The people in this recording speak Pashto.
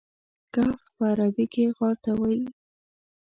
کهف په عربي کې غار ته وایي.